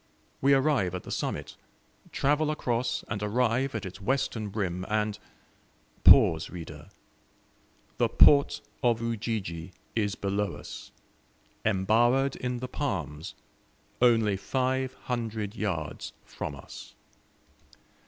We arrive at the summit, travel across and arrive at its western rim, and pause, reader the port of Ujiji is below us, embowered in the palms, only five hundred yards from us!